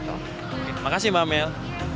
terima kasih mbak amel